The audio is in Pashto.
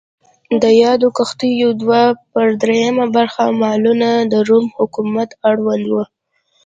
د یادو کښتیو دوه پر درېیمه برخه مالونه د روم حکومت اړوند و.